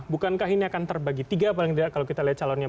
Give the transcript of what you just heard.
bukankah ini akan terbagi tiga paling tidak kalau kita lihat calonnya